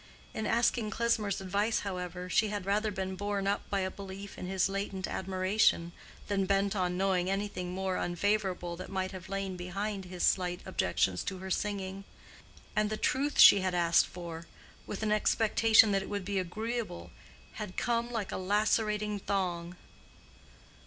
In asking Klesmer's advice, however, she had rather been borne up by a belief in his latent admiration than bent on knowing anything more unfavorable that might have lain behind his slight objections to her singing; and the truth she had asked for, with an expectation that it would be agreeable, had come like a lacerating thong.